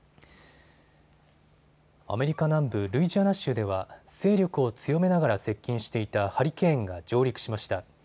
アメリカ南部ルイジアナ州では勢力を強めながら接近していたハリケーンが上陸しました。